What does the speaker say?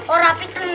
oh tapi kena